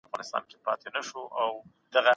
په یوه ورځ کې شعرونه جلا جلا لیکل کېږي.